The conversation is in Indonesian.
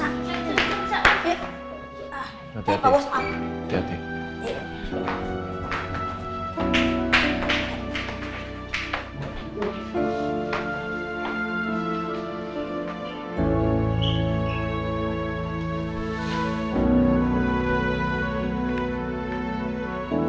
faktdeo bo istilahmu